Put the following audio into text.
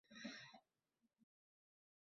Gazeta bosh muharriri etib tayinlangan.